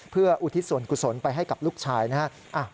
เพื่ออุทิศส่วนกุศลไปให้กับลูกชายนะครับ